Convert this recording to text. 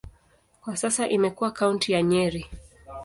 Kwa sasa imekuwa kaunti ya Nyeri.